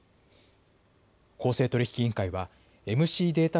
公正取引委員会はＭＣデータ